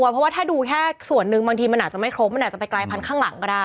เพราะว่าถ้าดูแค่ส่วนหนึ่งบางทีมันอาจจะไม่ครบมันอาจจะไปกลายพันธุ์ข้างหลังก็ได้